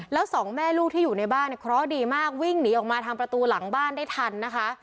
แล้วสองแม่ลูกที่อยู่ในบ้านเนี่ยเคราะห์ดีมากวิ่งหนีออกมาทางประตูหลังบ้านได้ทันนะคะ